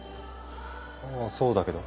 あぁそうだけど。